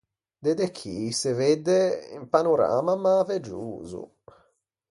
De de chì se vedde un panorama mäveggioso.